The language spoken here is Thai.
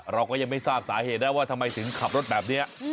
เราก็ยังไม่ทราบสาเหตุนะว่าทำไมถึงขับรถแบบนี้